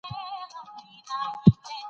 درد یوازې د ژوند برخه ده.